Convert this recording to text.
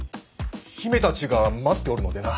姫たちが待っておるのでな。